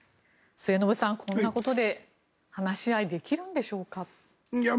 末延さん、こんなことで話し合い、できるんでしょうか。